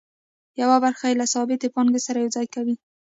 یوه برخه یې له ثابتې پانګې سره یوځای کوي